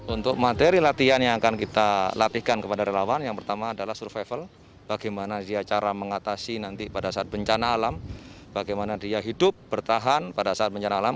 untuk materi latihan yang akan kita latihkan kepada relawan yang pertama adalah survival bagaimana dia cara mengatasi nanti pada saat bencana alam bagaimana dia hidup bertahan pada saat bencana alam